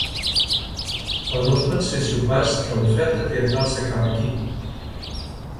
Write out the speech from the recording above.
Però no us penséssiu pas que l’oferta teatral s’acaba aquí.